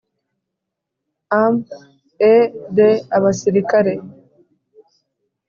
Arm e de abasirikare